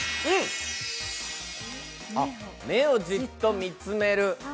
目をじっと見つめる。